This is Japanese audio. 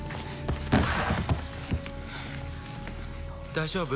大丈夫？